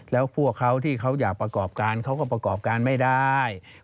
แล้วพวกเขาที่เขาอยากประกอบการเขาก็ประกอบการไม่ได้